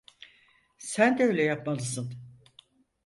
Sen de öyle yapmalısın.